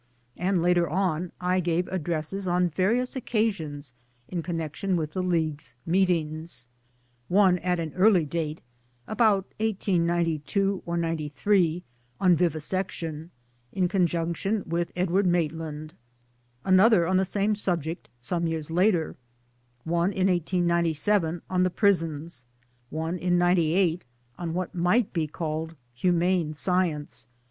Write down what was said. And later on I gave addresses on various occasions in connection with the League's meetings ; one at an early date (about '92 or '93) on Vivisection in conjunction with Edward Mait land ; another on the same subject some years later ; one in '97 on the Prisons ; one in '98 on what might be called " Humane Science